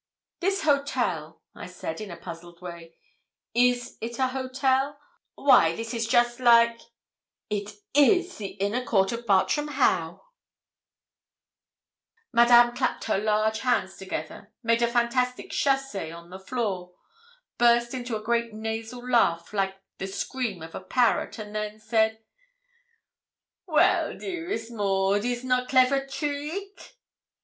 'This hotel,' I said, in a puzzled way. 'Is it a hotel? Why this is just like it is the inner court of Bartram Haugh!' Madame clapped her large hands together, made a fantastic chassé on the floor, burst into a great nasal laugh like the scream of a parrot, and then said 'Well, dearest Maud, is not clever trick?'